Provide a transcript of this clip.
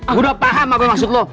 gue udah paham apa maksud lo